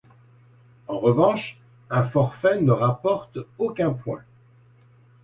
En revanche, un forfait ne rapporte aucun point.